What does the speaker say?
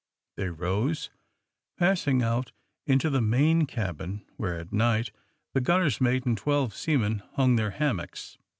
'' They rose, passing out into the main cabin, where, at night, the gunner's mate and twelve seamen hung their hammocks.